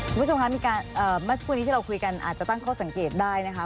คุณผู้ชมคะเมื่อสักครู่นี้ที่เราคุยกันอาจจะตั้งข้อสังเกตได้นะคะ